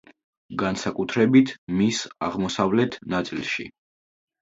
განსაკუთრებით, მის აღმოსავლეთ ნაწილში.